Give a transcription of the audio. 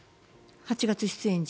８月、出演時。